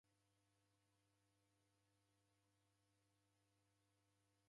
Naw'eshona na uzi